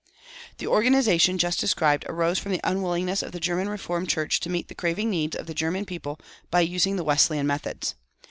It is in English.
The organization just described arose from the unwillingness of the German Reformed Church to meet the craving needs of the German people by using the Wesleyan methods.